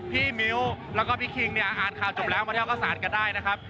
มิ้วแล้วก็พี่คิงเนี่ยอ่านข่าวจบแล้วมาเที่ยวเข้าสารกันได้นะครับ